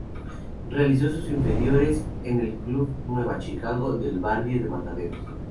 Realizó sus inferiores en el club Nueva Chicago del barrio de Mataderos.